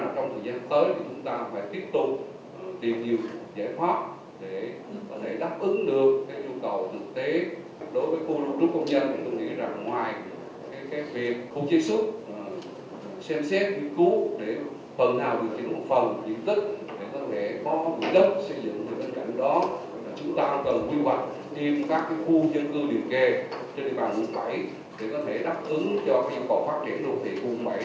chúng ta cần quy hoạch tìm các khu dân cư điều kê trên địa bàn quận bảy để có thể đáp ứng cho việc bảo phát triển đồ thị quận bảy